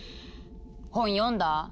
本読んだ？